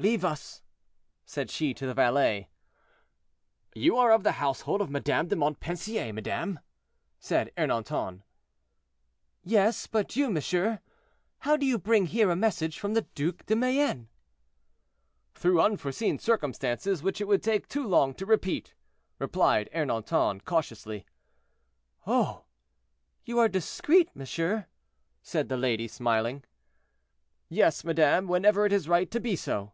"Leave us," said she to the valet. "You are of the household of Madame de Montpensier, madame?" said Ernanton. "Yes; but you, monsieur, how do you bring here a message from the Duc de Mayenne?" "Through unforeseen circumstances, which it would take too long to repeat," replied Ernanton, cautiously. "Oh! you are discreet, monsieur," said the lady, smiling. "Yes, madame, whenever it is right to be so."